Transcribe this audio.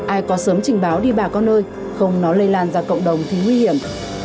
ai có sớm trình báo đi bà con ơi không nó lây lan ra cộng đồng thì nguy hiểm